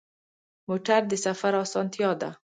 موټر د سفر اسانتیا ده.